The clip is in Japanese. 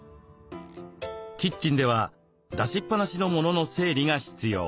キッチンでは出しっぱなしの物の整理が必要。